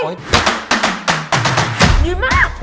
หยุดมาก